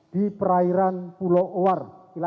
di perairan pulau owar